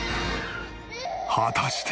果たして。